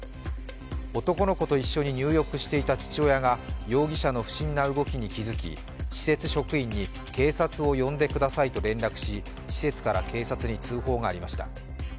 男の子と一緒に入浴していた父親が容疑者の不審な動きに気付き、施設職員に警察を呼んでくださいと連絡し、施設から警察に通報がありました。